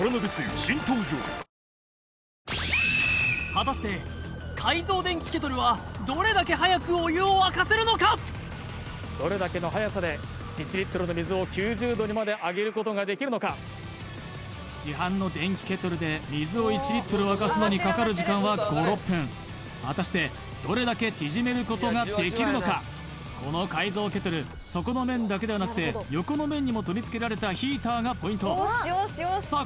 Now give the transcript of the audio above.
果たしてどれだけのはやさで１リットルの水を９０℃にまで上げることができるのか市販の電気ケトルで水を１リットル沸かすのにかかる時間は５６分果たしてどれだけ縮めることができるのかこの改造ケトル底の面だけではなくて横の面にも取りつけられたヒーターがポイントさあ